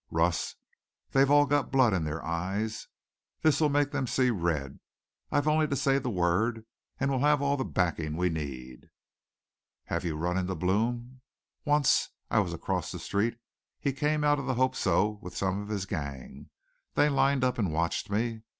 "Russ, they've all got blood in their eyes. This'll make them see red. I've only to say the word and we'll have all the backing we need." "Have you run into Blome?" "Once. I was across the street. He came out of the Hope So with some of his gang. They lined up and watched me.